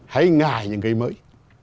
hãy ngại những cái mới